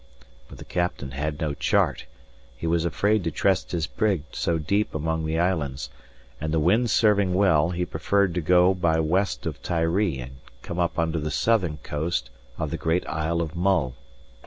But the captain had no chart; he was afraid to trust his brig so deep among the islands; and the wind serving well, he preferred to go by west of Tiree and come up under the southern coast of the great Isle of Mull.